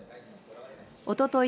おととい